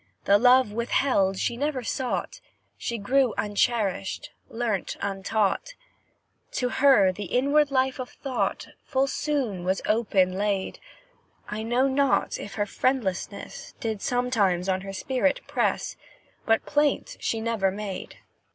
The love withheld she never sought, She grew uncherished learnt untaught; To her the inward life of thought Full soon was open laid. I know not if her friendlessness Did sometimes on her spirit press, But plaint she never made.